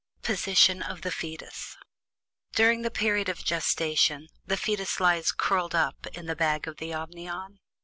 POSITION OF THE FETUS. During the period of gestation the fetus lies "curled up" in the bag of the amnion.